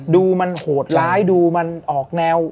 ดูมันโหดร้ายดูมันออกแนว